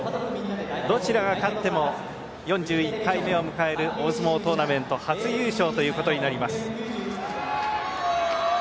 どちらが勝っても４１回目を迎える大相撲トーナメント初優勝ということになります。